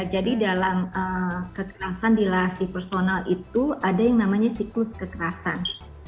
jadi dalam kekerasan dilahasi personal itu ada yang namanya siklus kekerasan